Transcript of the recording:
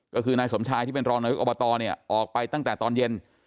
ก็คือนายสมชายที่เป็นรองนายกอบตเนี่ยออกไปตั้งแต่ตอนเย็น